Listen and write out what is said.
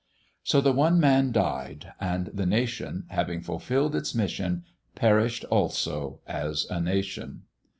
So the one Man died, and the nation, having fulfilled its mission, perished also as a nation.